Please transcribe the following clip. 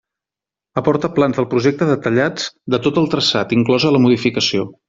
Aporta plans del projecte detallats de tot el traçat, inclosa la modificació.